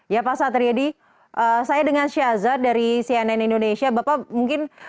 ya pak satriadi saya dengan syaza dari cnn indonesia bapak mungkin